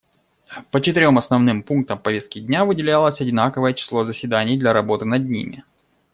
По четырем основным пунктам повестки дня выделялось одинаковое число заседаний для работы над ними.